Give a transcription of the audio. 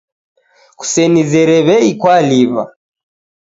Kusenizere wei kwaliwa